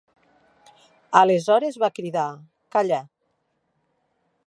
Aleshores va cridar: calla.